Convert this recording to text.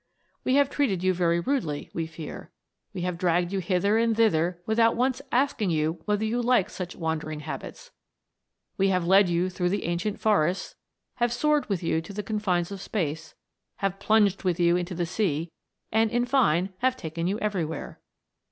We have treated you very rudely, we fear. We have dragged you hither and thither without once asking you whether you liked such wandering habits. We have led you through the ancient forests ; have soared with you to the con fines of space ; have plunged with you into the sea ; and, in fine, have taken you everywhere.